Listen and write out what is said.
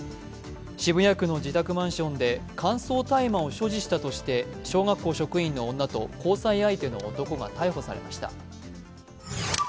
渋谷区の自宅マンションで乾燥大麻を所持したとして小学校職員の女と交際相手の男が逮捕されました。